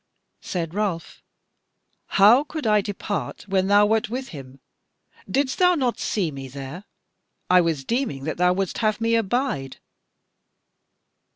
Said Ralph: "How could I depart when thou wert with him? Didst thou not see me there? I was deeming that thou wouldst have me abide."